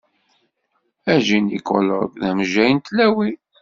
Ajinikulog d amejjay n tlawin.